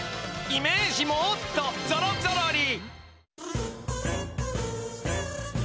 イメージもっとぞろぞろり！